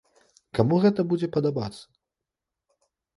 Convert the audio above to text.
Каму гэта будзе падабацца?